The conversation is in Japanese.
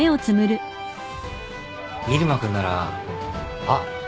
入間君ならあっ